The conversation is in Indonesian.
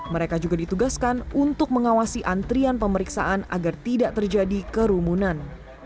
mereka juga ditugaskan untuk mengawasi antrian pemeriksaan agar tidak terjadi kerumunan